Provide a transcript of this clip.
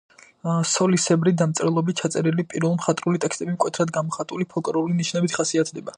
სოლისებრი დამწერლობით ჩაწერილი პირველ მხატვრული ტექსტები მკვეთრად გამოხატული ფოლკლორული ნიშნებით ხასიათდება.